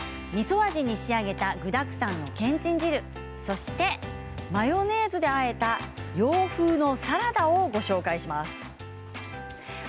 みそ味に仕上げた具だくさんのけんちん汁そして、マヨネーズであえた洋風のサラダをご紹介します。